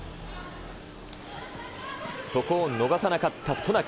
そこを逃さなかった渡名喜。